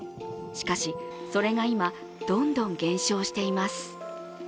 しかしそれが今、どんどん減少しています。